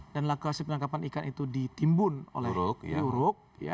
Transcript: dan lokasi penangkapan ikan itu ditimbun oleh luruk